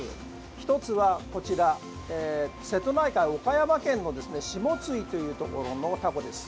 １つはこちら瀬戸内海、岡山県の下津井というところのタコです。